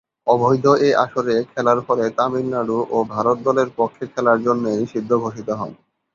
অবৈধ এ আসরে খেলার ফলে তামিলনাড়ু ও ভারত দলের পক্ষে খেলার জন্যে নিষিদ্ধ ঘোষিত হন।